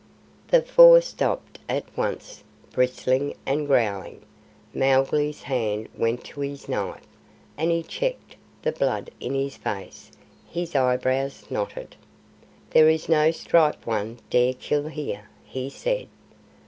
The Four stopped at once, bristling and growling. Mowgli's hand went to his knife, and he checked, the blood in his face, his eyebrows knotted. "There is no Striped One dare kill here," he said.